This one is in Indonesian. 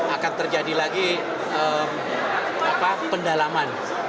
akan terjadi lagi pendalaman